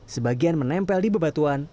sebagian menempel di bebatuan